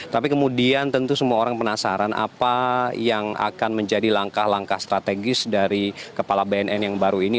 tapi kemudian tentu semua orang penasaran apa yang akan menjadi langkah langkah strategis dari kepala bnn yang baru ini